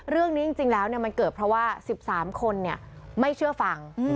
เรื่องนี้จริงแล้วมันเกิดเพราะว่า๑๓คนไม่เชื่อฟัง